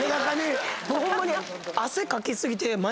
僕ホンマに。